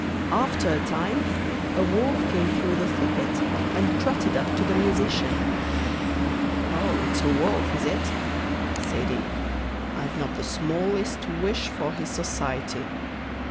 After a time a wolf came through the thicket and trotted up to the musician. 'Oh! it's a Wolf, is it?' said he. 'I've not the smallest wish for his society.